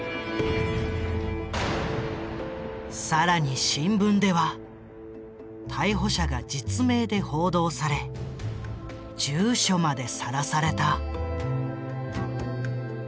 更に新聞では逮捕者が実名で報道され住所までさらされた。